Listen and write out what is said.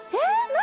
何？